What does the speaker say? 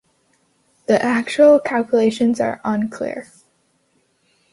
The actual calculations are unclear.